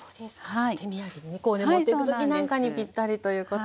じゃあ手土産に持っていく時なんかにピッタリということですね。